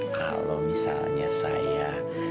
kalau misalnya saya